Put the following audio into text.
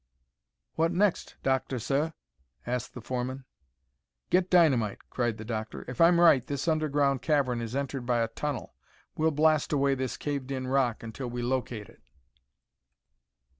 "What next, Doctuh, suh?" asked the foreman. "Get dynamite!" cried the doctor. "If I'm right, this underground cavern is entered by a tunnel. We'll blast away this caved in rock until we locate it."